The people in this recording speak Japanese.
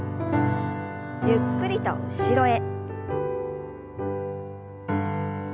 ゆっくりと後ろへ。